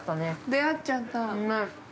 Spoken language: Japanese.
◆出会っちゃった。